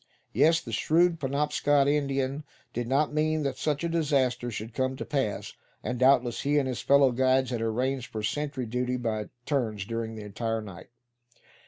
Yes, the shrewd Penobscot Indian did not mean that such a disaster should come to pass; and doubtless he and his fellow guides had arranged for sentry duty by turns during the entire night.